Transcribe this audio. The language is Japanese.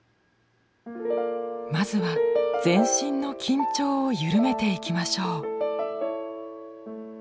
まずは全身の緊張を緩めていきましょう。